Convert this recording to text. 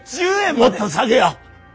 もっと下げや！